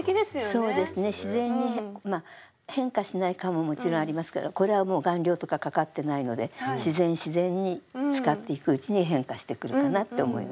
自然に変化しない革ももちろんありますけどこれはもう顔料とかかかってないので自然自然に使っていくうちに変化してくるかなって思います。